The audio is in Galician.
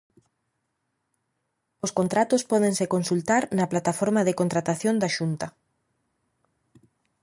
Os contratos pódense consultar na plataforma de contratación da Xunta.